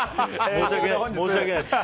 申し訳ないです。